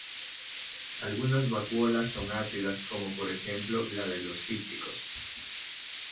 Algunas vacuolas son ácidas, como por ejemplo la de los cítricos.